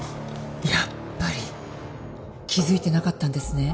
やっぱり気づいてなかったんですね。